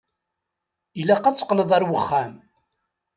Ilaq ad teqqleḍ ar wexxam.